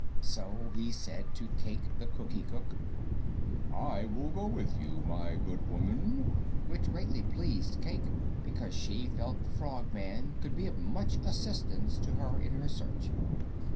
So he said to Cayke the Cookie Cook, "I will go with you, my good woman," which greatly pleased Cayke because she felt the Frogman could be of much assistance to her in her search.